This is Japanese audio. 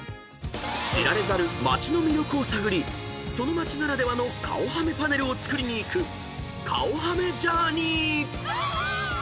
［知られざる町の魅力を探りその町ならではの顔はめパネルを作りに行く顔はめジャーニー］